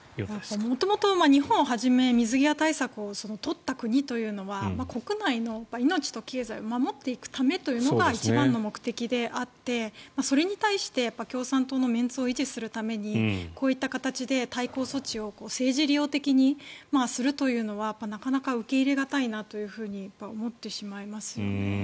元々、日本をはじめ水際対策を取った国というのは国内の命と経済を守っていくためというのが一番の目的であってそれに対して共産党のメンツを維持するためにこういった形で対抗措置を政治利用的にするというのはなかなか受け入れ難いなと思ってしまいますよね。